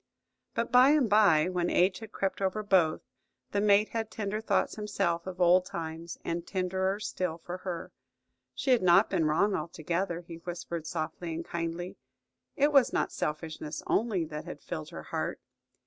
But by and by, when age had crept over both, the mate had tender thoughts himself of old times, and tenderer still for her. She had not been wrong altogether, he whispered softly and kindly. It was not selfishness only that had filled her heart.